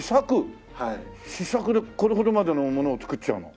試作でこれほどまでのものを作っちゃうの？